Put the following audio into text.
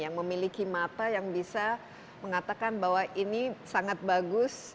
yang memiliki mata yang bisa mengatakan bahwa ini sangat bagus